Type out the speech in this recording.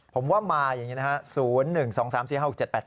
ผมว่ามาอย่างนี้นะฮะ๐๑๒๓๔๖๗๘๘